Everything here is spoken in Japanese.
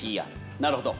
なるほど。